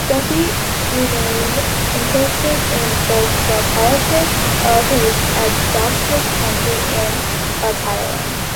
Duffy remained interested in both the politics of his adoptive country and of Ireland.